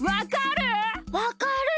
わかる？